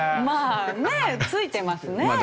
まあね付いてますね。